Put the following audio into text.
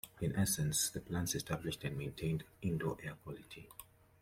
In essence, the plants established and maintained indoor air quality.